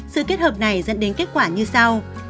sự kết hợp này dẫn đến kết quả như sau